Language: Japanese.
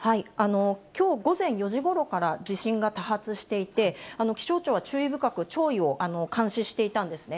きょう午前４時ごろから地震が多発していて、気象庁は注意深く潮位を監視していたんですね。